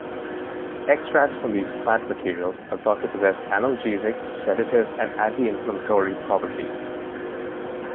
Extracts from these plant materials are thought to possess analgesic, sedative, and anti-inflammatory properties.